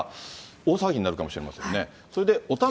大騒ぎになるかもしれませんね。